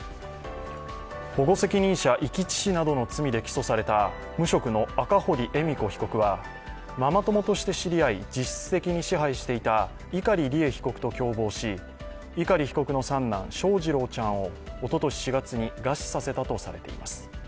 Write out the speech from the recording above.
保護責任者遺棄致死などの罪で起訴された無職の赤堀恵美子被告はママ友として知り合い、実質的に支配していた碇利恵被告と共謀し、碇被告の三男・翔士郎ちゃんをおととし４月に餓死させたとされています。